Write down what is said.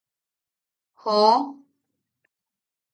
¡joo!.